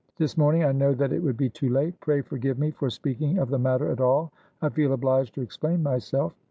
This morning, I know that it would be too late. Pray forgive me for speaking of the matter at all. I feel obliged to explain myself.